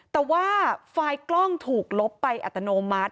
แต่ว่าไฟล์กล้องถูกลบไปอัตโนมัติ